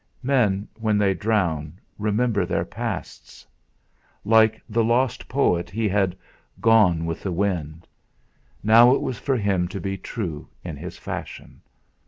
Men, when they drown, remember their pasts. Like the lost poet he had "gone with the wind." Now it was for him to be true in his fashion.